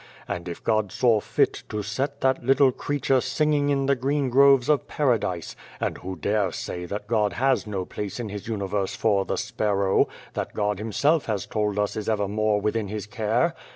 And if God saw fit to set that little creature singing in the green groves of Paradise (and who dare say that God has no place in His universe for the sparrow, that God Himself has told us is evermore within His care!)